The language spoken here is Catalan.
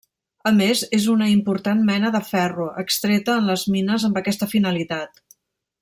A més és una important mena de ferro, extreta en les mines amb aquesta finalitat.